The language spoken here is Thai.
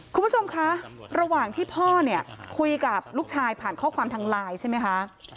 คุณผู้ชมคะระหว่างที่พ่อเนี่ยคุยกับลูกชายผ่านข้อความทางไลน์ใช่ไหมคะ